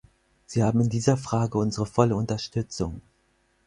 Sie haben in dieser Frage unsere volle Unterstützung.